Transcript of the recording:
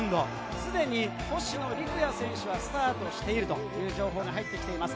すでに星野陸也選手がスタートしているという情報が入ってきています。